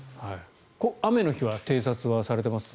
雨の日は偵察はされていますか？